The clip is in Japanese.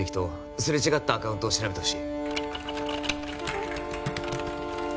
すれ違ったアカウントを調べてほしい